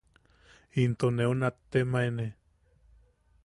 Into neu nattemaene.